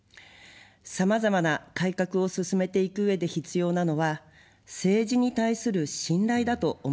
さまざまな改革を進めていくうえで必要なのは政治に対する信頼だと思います。